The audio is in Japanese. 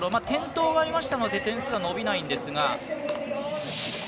転倒がありましたので点数は伸びないんですが。